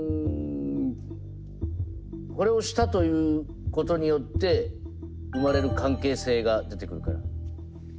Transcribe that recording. これをしたということによって生まれる関係性が出てくるから。